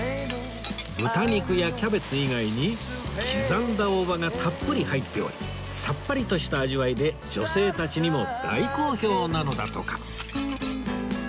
豚肉やキャベツ以外に刻んだ大葉がたっぷり入っておりさっぱりとした味わいで女性たちにも大好評なのだとか